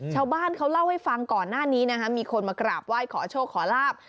ชาวบ้านเขาเล่าให้ฟังก่อนหน้านี้นะคะมีคนมากราบไหว้ขอโชคขอลาบ